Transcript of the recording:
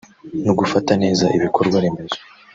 no Gufata neza ibikorwa-remezo